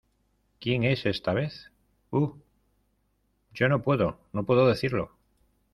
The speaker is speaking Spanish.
¿ Quién es esta vez? Uh, yo no puedo no puedo decirlo.